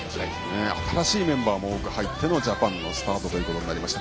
新しいメンバーも多く入ってのジャパンのスタートとなりました。